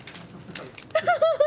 ハハハハ！